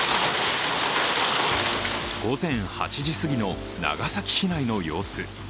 午前８時過ぎの長崎市内の様子。